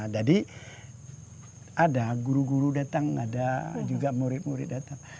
jadi ada guru guru datang ada juga murid murid datang